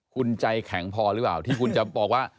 คุณใจแข็งพอหรือเปล่าที่คุณจะบอกว่า